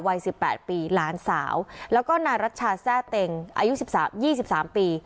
วัยสิบแปดปีหลานสาวแล้วก็นารัชชาแซ่เต็งอายุสิบสามยี่สิบสามปี